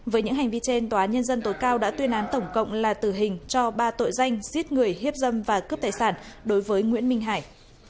với những hành vi trên tòa nhân dân tối cao đã tuyên án tổng cộng là tử hình cho ba tội danh giết người hiếp dâm và cướp tài sản đối với nguyễn minh hải